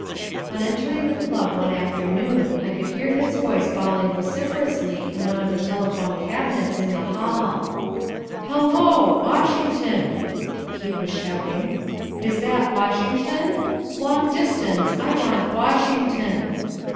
On entering the club one afternoon I could hear his voice bawling vociferously in one of the telephone cabinets in the hall. "Hello, Washington," he was shouting. "Is that Washington? Long Distance, I want Washington."